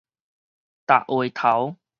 踏話頭